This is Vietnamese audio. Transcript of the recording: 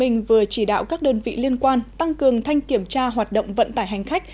tp hcm vừa chỉ đạo các đơn vị liên quan tăng cường thanh kiểm tra hoạt động vận tải hành khách